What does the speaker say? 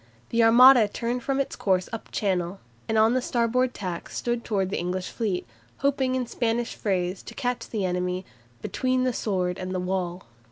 The Armada turned from its course up Channel, and on the starboard tack stood towards the English fleet, hoping in Spanish phrase to catch the enemy "between the sword and the wall."